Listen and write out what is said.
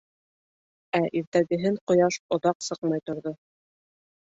Ә иртәгеһен ҡояш оҙаҡ сыҡмай торҙо.